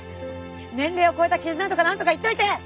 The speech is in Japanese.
年齢を超えた絆とかなんとか言っといて！